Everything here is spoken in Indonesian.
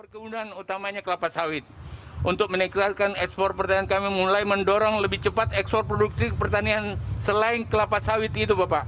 kementerian pertanian menyiapkan empat strategi